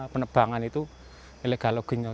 penebangan itu ilgaloginya